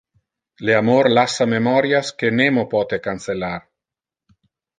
Le amor lassa memorias que nemo pote cancellar.